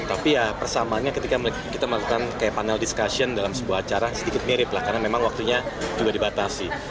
tapi ya persamaannya ketika kita melakukan kayak panel discussion dalam sebuah acara sedikit mirip lah karena memang waktunya juga dibatasi